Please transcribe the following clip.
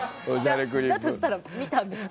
だとしたら見たんですか？